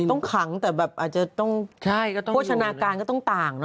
ต้องขังแต่แบบอาจจะต้องโภชนาการก็ต้องต่างเน